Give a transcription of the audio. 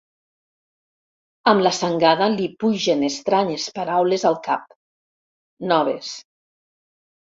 Amb la sangada li pugen estranyes paraules al cap. Noves.